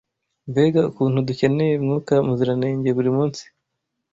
Mbega ukuntu dukeneye Mwuka Muziranenge buri munsi